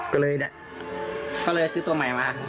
ก็เลยซื้อตัวใหม่มา